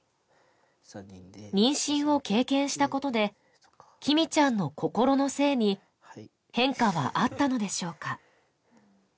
妊娠を経験したことできみちゃんの心の性に変化はあったのでしょうか